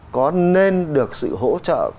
có nên được sự hỗ trợ